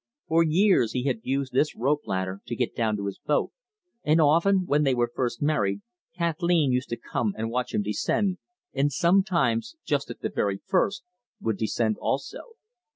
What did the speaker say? For years he had used this rope ladder to get down to his boat, and often, when they were first married, Kathleen used to come and watch him descend, and sometimes, just at the very first, would descend also.